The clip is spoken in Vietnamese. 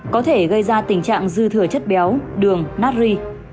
có thể gây ra tình trạng dư thừa chất béo đường nát ri